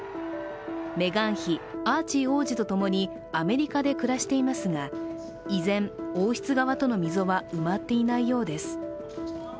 メガン妃、王子とともにアメリカで暮らしていますが依然、王室側との溝は埋まっていないようです。